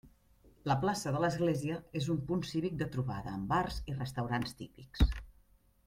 La plaça de l'Església, és un punt cívic de trobada, amb bars i restaurants típics.